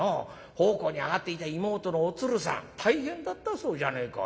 奉公に上がっていた妹のお鶴さん大変だったそうじゃねえか。